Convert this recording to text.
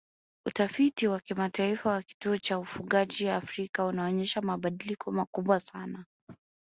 Utafiti wa kimataifa wa kituo cha ufugaji Afrika unaonyesha mabadiliko makubwa sana